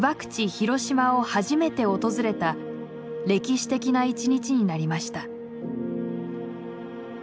広島を初めて訪れた歴史的な一日になりました。